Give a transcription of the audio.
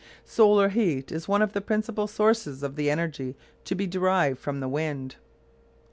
Solar heat is one of the principal sources of the energy to be derived from the wind.